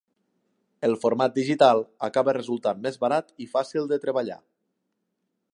El format digital acaba resultant més barat i fàcil de treballar.